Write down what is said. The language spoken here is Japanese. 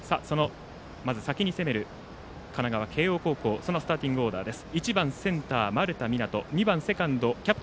先に攻める神奈川・慶応高校そのスターティングオーダーです。